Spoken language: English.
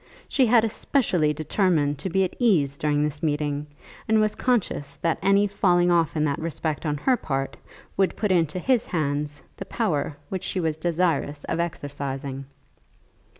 She had especially determined to be at ease during this meeting, and was conscious that any falling off in that respect on her part would put into his hands the power which she was desirous of exercising.